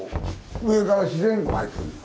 上から自然光入ってくるんよ。